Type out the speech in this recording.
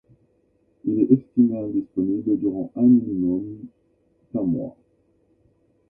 Il est estimé indisponible durant un minimum d'un mois.